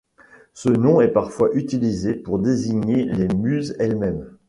Ce nom est parfois utilisé pour désigner les Muses elles-mêmes.